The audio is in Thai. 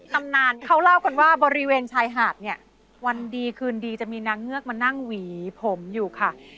ตำนานเขาเล่ากันว่าบริเวณชายหาดเนี่ยวันดีคืนดีจะมีนางเงือกมานั่งหวีผมอยู่ค่ะ